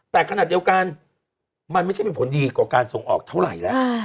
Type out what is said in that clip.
แต่ขณะเดียวกันมันไม่ใช่เป็นผลดีกว่าการส่งออกเท่าไหร่แล้ว